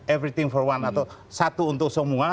everything for one atau satu untuk semua